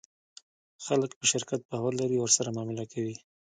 خلک په شرکت باور لري او ورسره معامله کوي.